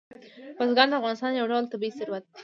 بزګان د افغانستان یو ډول طبعي ثروت دی.